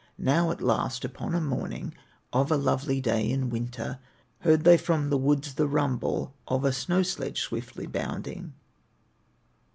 Now at last upon a morning Of a lovely day in winter, Heard they from the woods the rumble Of a snow sledge swiftly bounding.